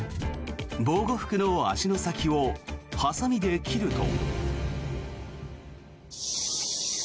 防護服の足の先をハサミで切ると。